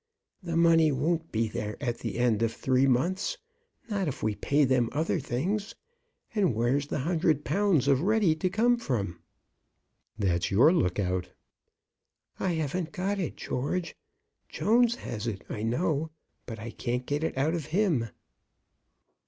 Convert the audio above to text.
"The money won't be there at the end of three months, not if we pay them other things. And where's the hundred pounds of ready to come from?" "That's your look out." "I haven't got it, George. Jones has it, I know; but I can't get it out of him."